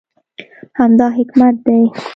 همدا حکمت دی.